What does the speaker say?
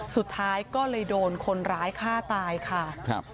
สุดท้ายก็เลยโดนคนร้ายฆ่าตายค่ะครับ